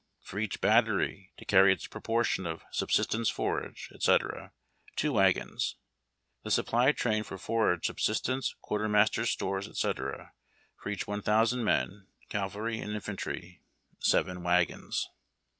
For each battery, to carry its proportion of subsistence, forage, etc., 2 wagons. 4. The supply train for forage, subsistence, quartermaster's stores, etc., to each 1000 men, cavalry and infantry, 7 wagons.